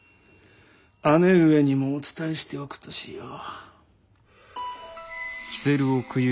姉上にもお伝えしておくとしよう。